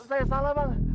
saya salah bang